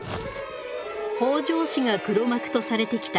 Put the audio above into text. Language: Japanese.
北条氏が黒幕とされてきたこの事件。